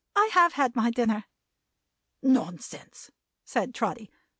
I have had my dinner." "Nonsense," said Trotty.